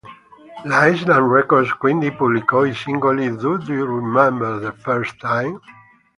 La Island Records quindi pubblicò i singoli "Do You Remember the First Time?